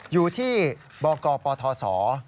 อยู่ที่บกปทศ